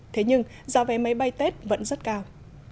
thế nhưng giá vé máy bay tết vẫn rất cao